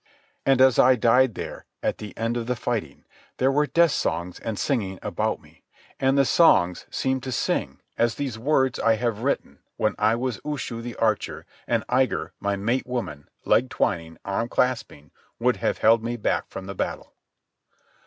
And as I died there at the end of the fighting, there were death songs and singing about me, and the songs seemed to sing as these the words I have written when I was Ushu, the archer, and Igar, my mate woman, leg twining, arm clasping, would have held me back from the battle.